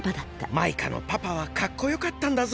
マイカのパパはかっこよかったんだぞ。